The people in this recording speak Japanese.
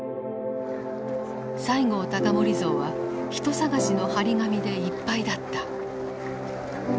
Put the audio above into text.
西郷隆盛像は人捜しの貼り紙でいっぱいだった。